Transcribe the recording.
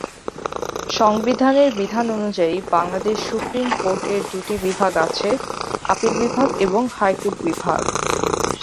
সংবিধানের বিধান অনুযায়ী বাংলাদেশ সুপ্রিম কোর্ট-এর দুটি বিভাগ আছেঃ আপিল বিভাগ এবং হাইকোর্ট বিভাগ।